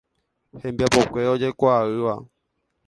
Hembiapokue ojekuaa'ỹva.